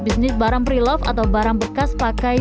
bisnis barang prelove atau barang bekas pakai